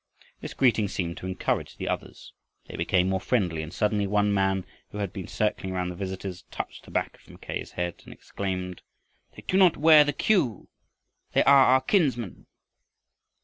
This greeting seemed to encourage the others. They became more friendly and suddenly one man who had been circling round the visitors touched the back of Mackay's head and exclaimed, "They do not wear the cue! They are our kinsmen."